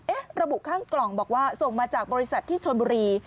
ระบุข้างกล่องบอกว่าส่งมาจากบริษัทที่ชนบุรี